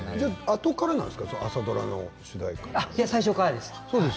あとからなんですか、朝ドラの主題歌って。